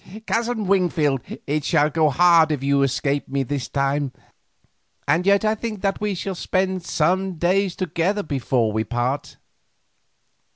Cousin Wingfield, it shall go hard if you escape me this time, and yet I think that we shall spend some days together before we part.